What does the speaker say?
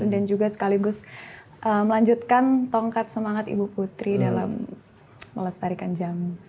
dan juga sekaligus melanjutkan tongkat semangat ibu putri dalam melestarikan jamu